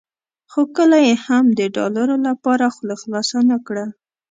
خو کله یې هم د داړلو لپاره خوله خلاصه نه کړه.